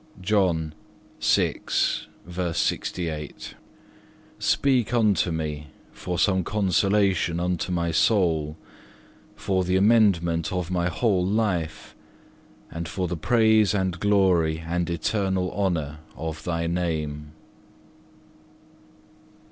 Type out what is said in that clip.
(4) Speak unto me for some consolation unto my soul, for the amendment of my whole life, and for the praise and glory and eternal honour of Thy Name.